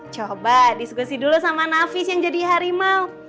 coba diskusi dulu sama nafis yang jadi harimau